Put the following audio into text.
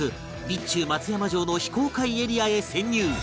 備中松山城の非公開エリアへ潜入！